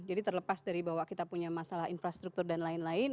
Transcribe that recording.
jadi terlepas dari bahwa kita punya masalah infrastruktur dan lain lain